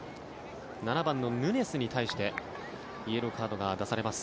７番のヌニェスに対してイエローカードが出されます。